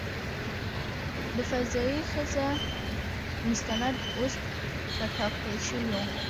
د "فضايي ښځه" مستند اوس په ټاکل شویو .